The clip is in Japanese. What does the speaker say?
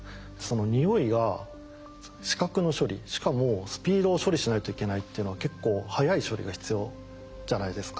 匂いが視覚の処理しかもスピードを処理しないといけないっていうのは結構速い処理が必要じゃないですか。